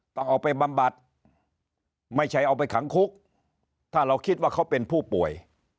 ต้องเอาไปบำบัดไม่ใช่เอาไปขังคุกถ้าเราคิดว่าเขาเป็นผู้ป่วย